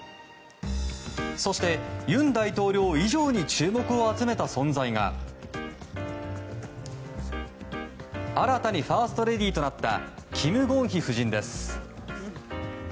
そして尹大統領以上に注目を集めた存在が新たにファーストレディーとなったキム・ゴンヒ夫人です。